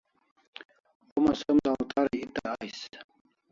Homa som dawtarai eta ais